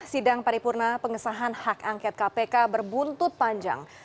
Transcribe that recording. sidang paripurna pengesahan hak angket kpk berbuntut panjang